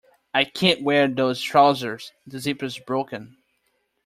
I can't wear those trousers; the zip’s broken